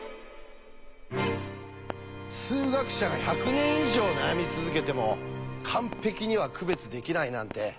数学者が１００年以上悩み続けても完璧には区別できないなんて